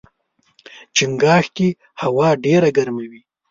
چنګاښ کې هوا ډېره ګرمه وي.